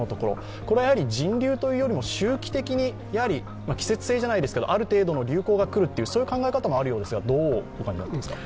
これは人流というよりも、周期的に季節性じゃないですけどある程度の流行がくるっていうそういう考え方もあると思いますがどうお感じですか。